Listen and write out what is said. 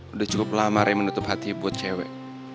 udah cukup lama rem menutup hati buat cewek